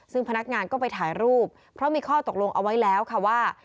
ซึ่งพนักงานก็ไปถ่ายรูปเพราะมีข้อตกลงเอาไว้แล้วค่ะว่า